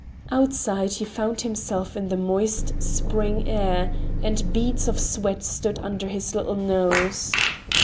Outside he found himself in the moist, spring air, and beads of sweat stood under his little nose.